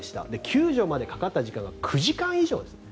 救助までかかった時間が９時間以上です。